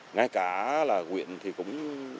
ngay cả là quyện thì cũng